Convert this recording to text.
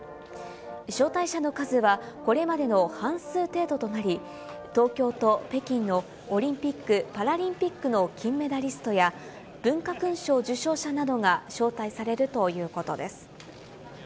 招待者の数は、これまでの半数程度となり、東京と北京のオリンピック・パラリンピックの金メダリストや、文化勲章受章者などが招待されるということです。